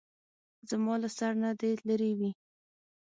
زما له سر نه دې لېرې وي.